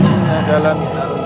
inna ghalamin arus alim